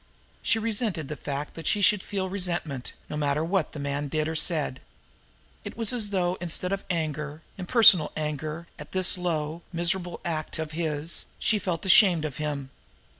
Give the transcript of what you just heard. She resented the fact that she should feel resentment, no matter what the man did or said. It was as though, instead of anger, impersonal anger, at this low, miserable act of his, she felt ashamed of him.